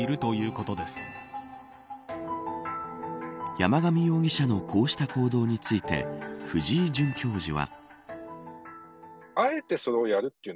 山上容疑者のこうした行動について藤井准教授は。